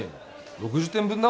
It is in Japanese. ６０点分だ